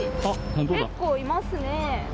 結構、いますね。